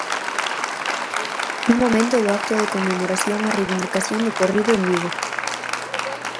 Un momento do acto de conmemoración e reivindicación decorrido en Vigo.